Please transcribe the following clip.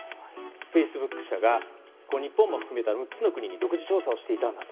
フェイスブック社が日本も含めた６つの国に独自調査をしていたんだと。